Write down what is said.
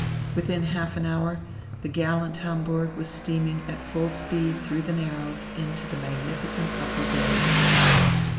Within half an hour, the gallant Hamburg was steaming at full speed through the Narrows into the magnificent Upper Bay.